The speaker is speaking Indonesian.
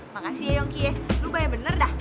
makasih ya yongki lo bayar bener dah